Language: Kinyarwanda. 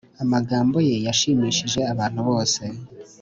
amagambo ye yashimishije abantu bose,